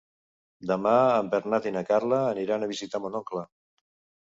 Demà en Bernat i na Carla aniran a visitar mon oncle.